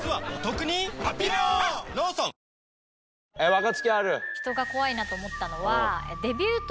若槻ある？